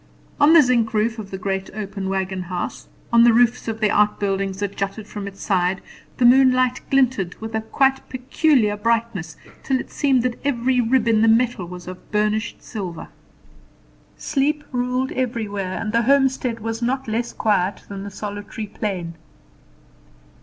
On the zinc roof of the great open wagon house, on the roofs of the outbuildings that jutted from its side, the moonlight glinted with a quite peculiar brightness, till it seemed that every rib in the metal was of burnished silver. Sleep ruled everywhere, and the homestead was not less quiet than the solitary plain.